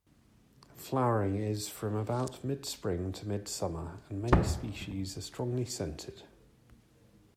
Flowering is from about mid-spring to mid-summer, and many species are strongly scented.